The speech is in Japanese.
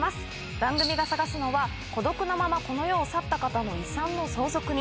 番組が捜すのは孤独なままこの世を去った方の遺産の相続人。